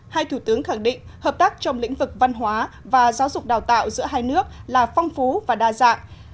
hai thủ tướng khẳng định hợp tác trong lĩnh vực văn hóa và giáo dục đào tạo giữa hai nước là phong phú và đa dạng